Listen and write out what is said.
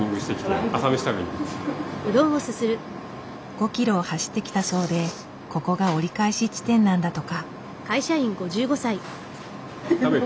５ｋｍを走ってきたそうでここが折り返し地点なんだとか。